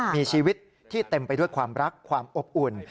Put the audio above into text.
มีชีวิตที่เต็มไปด้วยความรักความอบอุ่น